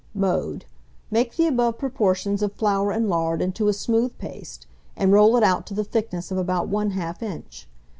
Mode. Make the above proportions of flour and lard into a smooth paste, and roll it out to the thickness of about 1/2 inch.